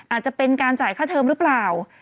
อาจจะเป็นการจ่ายค่าเทิมหรือเปล่า